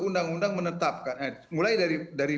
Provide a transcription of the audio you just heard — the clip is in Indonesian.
undang undang menetapkan mulai dari